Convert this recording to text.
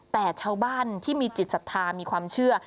แต่ชาวบ้านที่มีจิตศรัทธามีความเชื่อ